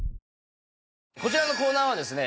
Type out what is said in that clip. こちらのコーナーはですね